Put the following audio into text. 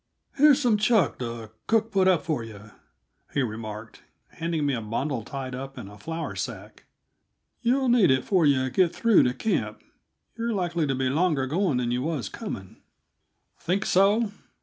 "Here's some chuck the cook put up for yuh," he remarked, handing me a bundle tied up in a flour sack. "You'll need it 'fore yuh get through to camp; you'll likely be longer going than yuh was comin'." "Think so?"